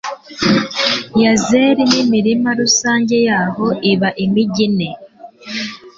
yazeri n'imirima rusange yayo:iba imigi ine